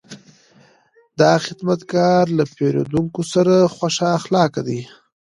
دا خدمتګر له پیرودونکو سره خوش اخلاقه دی.